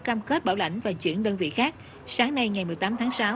cam kết bảo lãnh và chuyển đơn vị khác sáng nay ngày một mươi tám tháng sáu